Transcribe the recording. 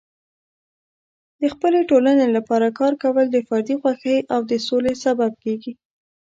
د خپلې ټولنې لپاره کار کول د فردي خوښۍ او د سولې سبب کیږي.